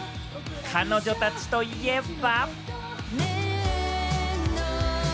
彼女たちといえば。